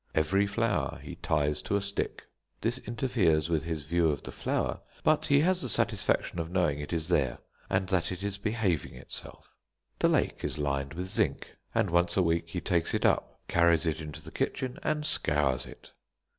Every flower he ties to a stick. This interferes with his view of the flower, but he has the satisfaction of knowing it is there, and that it is behaving itself. The lake is lined with zinc, and once a week he takes it up, carries it into the kitchen, and scours it.